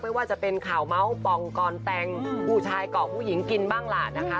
ไม่ว่าจะเป็นข่าวเมาส์ปองก่อนแต่งผู้ชายเกาะผู้หญิงกินบ้างล่ะนะคะ